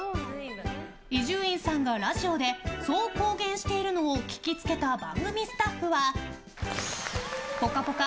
伊集院さんがラジオでそう公言しているのを聞きつけた番組スタッフは「ぽかぽか」